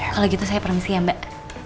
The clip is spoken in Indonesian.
kalau gitu saya permisi ya mbak